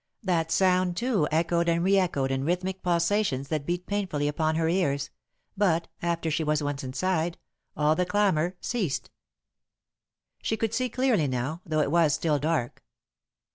That sound, too, echoed and re echoed in rhythmic pulsations that beat painfully upon her ears, but, after she was once inside, all the clamour ceased. She could see clearly now, though it was still dark.